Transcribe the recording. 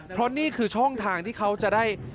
เพราะนี่คือช่องทางที่เขาจะได้